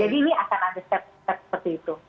jadi ini akan ada step step seperti itu